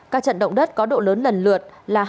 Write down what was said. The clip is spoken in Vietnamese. các trận động đất có độ lớn lần lượt